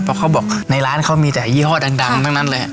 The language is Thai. เพราะเขาบอกในร้านเขามีแต่ยี่ห้อดังทั้งนั้นเลย